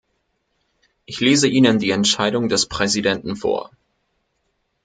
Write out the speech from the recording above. Ich lese Ihnen die Entscheidung des Präsidenten vor.